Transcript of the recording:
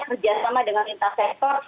kerjasama dengan intersektor